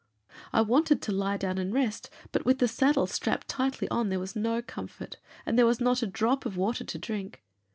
I wanted to lie down and rest, but with the saddle strapped tightly on there was no comfort, and there was not a drop of water to drink.